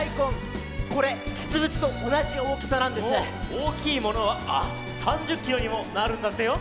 おおきいものはあっ３０キロにもなるんだってよ！